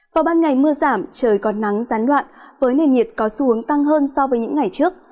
vào ban ngày mưa giảm trời còn nắng gián đoạn với nền nhiệt có xu hướng tăng hơn so với những ngày trước